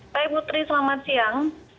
hai putri selamat siang